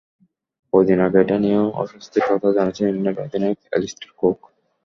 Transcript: কদিন আগেই এটা নিয়ে অস্বস্তির কথা জানিয়েছেন ইংল্যান্ড অধিনায়ক অ্যালিস্টার কুক।